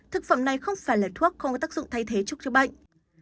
thực phẩm này không phải là thuốc không có tác dụng thay thế chúc chữa bệnh